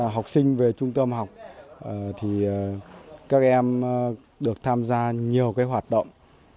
học sinh về trung tâm học thì các em được tham gia nhiều hoạt động